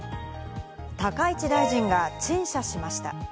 高市大臣が陳謝しました。